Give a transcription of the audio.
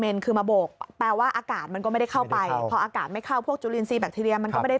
ผมว่าน่าจะคือกับพวกแบคทีเรียมากกว่าครับ